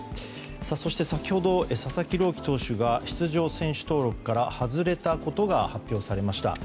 先ほど佐々木朗希投手が出場選手登録から外れたことが発表されました。